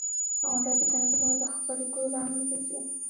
• غونډۍ د ځنګلونو د خپرېدو لامل ګرځي.